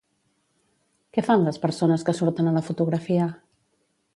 Què fan les persones que surten a la fotografia?